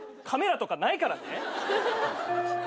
カメラとかないからね。